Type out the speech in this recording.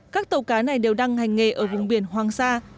các tàu cá này đều đang hành nghề ở vùng biển hoàng sa